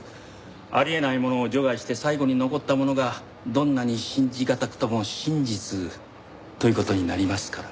あり得ないものを除外して最後に残ったものがどんなに信じがたくとも真実という事になりますから。